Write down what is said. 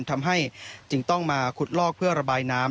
จึงต้องมาขุดลอกเพื่อระบายน้ำ